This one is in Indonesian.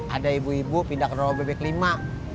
ada ibu ibu pindah ke rumah bebek lima